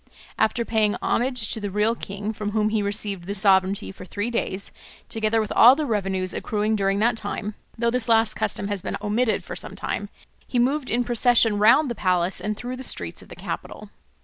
After paying homage to the real king, from whom he received the sovereignty for three days, together with all the revenues accruing during that time (though this last custom has been omitted for some time), he moved in procession round the palace and through the streets of the capital.